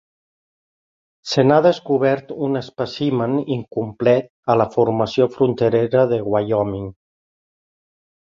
Se n'ha descobert un espècimen incomplet a la formació fronterera de Wyoming.